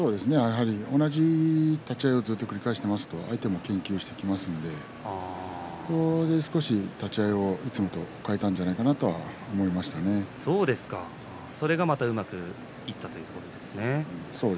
同じ立ち合いをずっと繰り返していますと相手も研究してきますので少し立ち合いをいつもと変えたんじゃないかそれが、またうまくいったということですね。